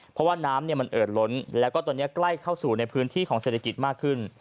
เพราะว่าน้ำมันเอิดล้นแล้วก็ตอนนี้ใกล้เข้าสู่ในพื้นที่ของเศรษฐกิจมากขึ้น